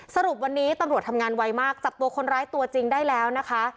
สรุปวันนี้ตำรวจทำงานไวมากจับตัวคนร้ายตัวจริงได้แล้วนะคะ